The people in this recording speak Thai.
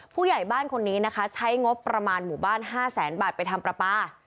ผู้ใหญ่บ้านคนนี้นะคะใช้งบประมาณหมู่บ้าน๕แสนบาทไปทำปลาปลา